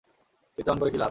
চিত্রায়ন করে কী লাভ!